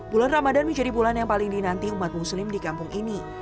bulan ramadan menjadi bulan yang paling dinanti umat muslim di kampung ini